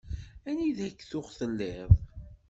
Anida k-tuɣ telliḍ?